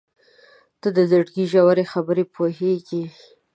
• ته د زړګي ژورې خبرې پوهېږې.